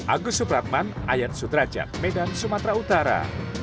agus supratman ayat sudrajat medan sumatera utara